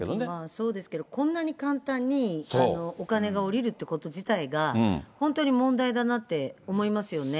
そうですけど、こんなに簡単にお金がおりるってこと自体が、本当に問題だなって思いますよね。